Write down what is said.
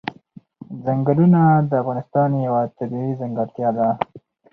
چنګلونه د افغانستان یوه طبیعي ځانګړتیا ده.